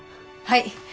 はい。